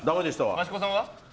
益子さんは？